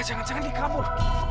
jangan jangan dia kabur